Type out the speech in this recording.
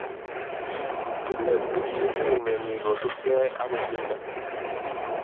pine pichiinwek meng'iik kosupng'ei ak Elnino